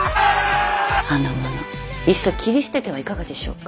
あの者いっそ切り捨ててはいかがでしょうか。